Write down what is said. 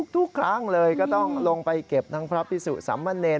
ทุกครั้งเลยก็ต้องลงไปเก็บทั้งพระพิสุสัมมะเนร